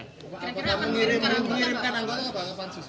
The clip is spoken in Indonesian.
apakah mengirimkan anggota ke bufanat